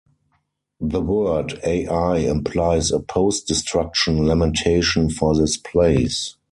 The word "Ai" implies a post-destruction lamentation for this place.